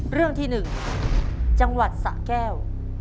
เรื่องที่๑จังหวัดสะแก้ว